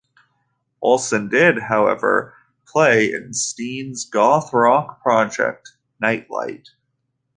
Olsen did, however, play in Steene's goth rock project Nightlight.